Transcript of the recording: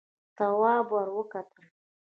تواب ور وکتل.